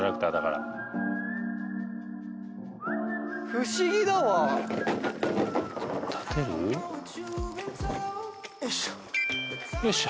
不思議だわよいしょよいしょ